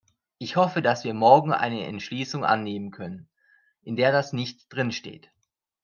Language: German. Ich hoffe, dass wir morgen eine Entschließung annehmen können, in der das nicht drinsteht.